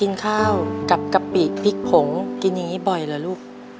กินข้าวกับกะปิพริกผงกินอย่างนี้บ่อยเหรอลูก